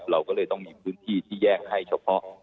เราก็เลยต้องมีพื้นที่ที่แยกให้เฉพาะ